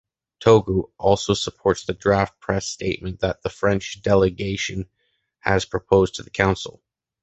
Togo also supports the draft press statement that the French delegation has proposed to the Council.